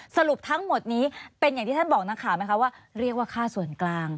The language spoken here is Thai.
สรุปทั้งหมดนี้เป็นอย่างที่ท่านบอกนักข่าวไหมคะว่าเรียกว่าค่าส่วนกลาง